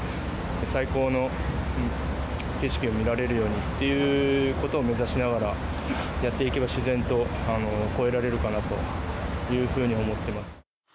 最高の景色を見られるようにっていうことを目指しながらやっていけば、自然と超えられるかなというふうに思ってます。